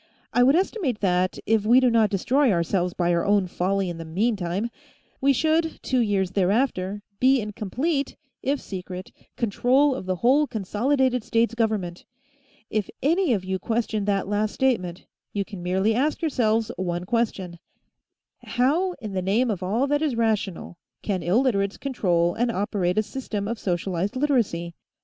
I would estimate that, if we do not destroy ourselves by our own folly in the meantime, we should, two years thereafter, be in complete if secret control of the whole Consolidated States Government. If any of you question that last statement, you can merely ask yourselves one question: How, in the name of all that is rational, can Illiterates control and operate a system of socialized Literacy?